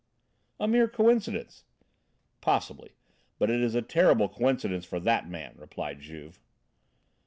"A mere coincidence." "Possibly, but it is a terrible coincidence for that man," replied Juve.